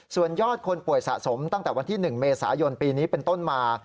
ส่วนยอดคนป่วยสะสมตั้งแต่วันที่๑เมษายนปีนี้เป็นต้นมา